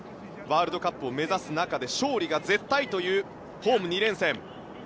ワールドカップを目指す中勝利が絶対というホーム２連戦。